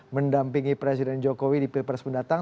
mendampingi presiden jokowi di pilpres mendatang